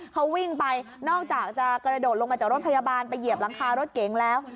เขาวิ่งไปนอกจากจะกระโดดลงมาจากรถพยาบาลไปเหยียบหลังคารถเก๋งแล้ว